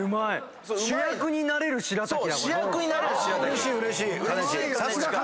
主役になれるしらたき。